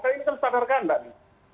karena ini kan standar kandang